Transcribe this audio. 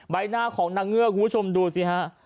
ใบหน้าของนางเงือกคุณผู้ชมดูสิฮะ